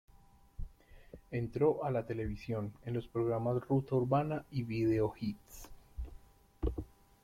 Entró a la televisión en los programas "Ruta Urbana" y "Video Hits".